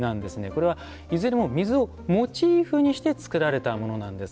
これは、いずれも水をモチーフにして作られたものなんです。